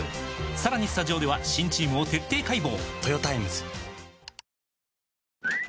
さらにスタジオでは新チームを徹底解剖！